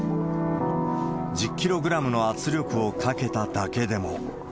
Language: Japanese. １０キログラムの圧力をかけただけでも。